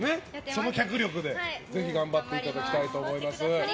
その脚力でぜひ頑張っていただきたいと思います。